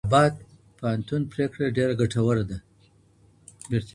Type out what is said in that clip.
د اله اباد پوهنتون پرېکړه ډېره ګټوره ده.